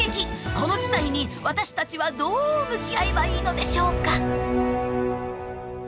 この事態に私たちはどう向き合えばいいのでしょうか？